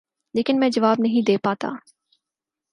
لیکن میں جواب نہیں دے پاتا ۔